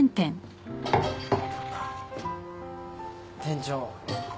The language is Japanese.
店長。